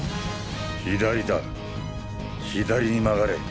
左だ左に曲がれ。